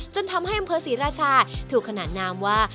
จนทำให้อำเภอศรีราชาถูกขนาดนามว่า